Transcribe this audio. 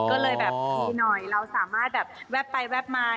ก็เลยแบบดีหน่อยเราสามารถแบบแวบไปแวบมา